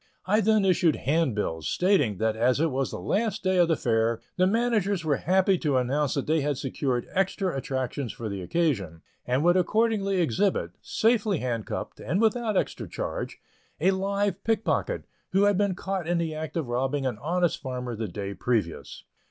I then issued handbills, stating that as it was the last day of the Fair, the managers were happy to announce that they had secured extra attractions for the occasion, and would accordingly exhibit, safely handcuffed, and without extra charge, a live pickpocket, who had been caught in the act of robbing an honest farmer the day previous.